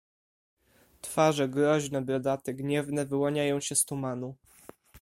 "Twarze groźne, brodate, gniewne wyłaniają się z tumanu."